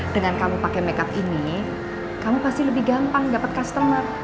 dengan kamu pakai makeup ini kamu pasti lebih gampang dapat customer